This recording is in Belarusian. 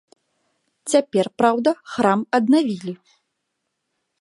Цяпер, праўда, храм аднавілі.